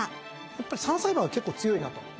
やっぱり３歳馬が結構強いなと。